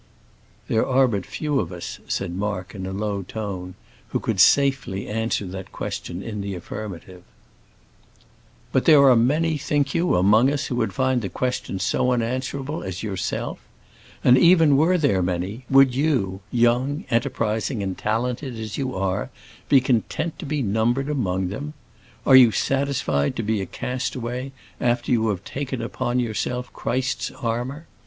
"There are but few of us," said Mark in a low tone, "who could safely answer that question in the affirmative." "But are there many, think you, among us who would find the question so unanswerable as yourself? And even were there many, would you, young, enterprising, and talented as you are, be content to be numbered among them? Are you satisfied to be a castaway after you have taken upon yourself Christ's armour?